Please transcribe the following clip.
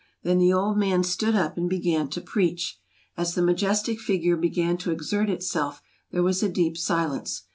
Then the old man stood up and began to preach. As the majestic figure began to exert itself there was a deep silence.